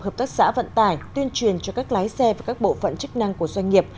hợp tác xã vận tải tuyên truyền cho các lái xe và các bộ phận chức năng của doanh nghiệp